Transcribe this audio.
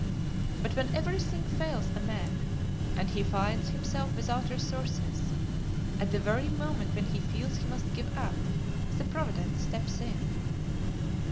But when everything fails a man, and he finds himself without resources, at the very moment when he feels he must give up, then Providence steps in.